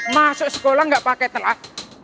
masuk sekolah gak pake telat